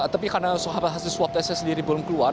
tapi karena hasil swab testnya sendiri belum keluar